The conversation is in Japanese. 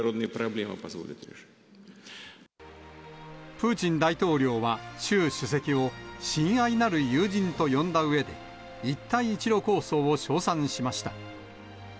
プーチン大統領は、習主席を親愛なる友人と呼んだうえで、一帯一路構想を称賛しました。